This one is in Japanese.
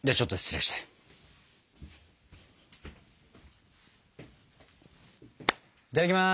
いただきます。